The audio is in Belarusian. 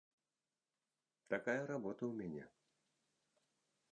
Такая работа ў мяне.